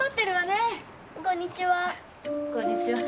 こんにちは。